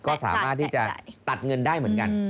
ก็สามารถที่จะตัดเงินได้เหมือนกัน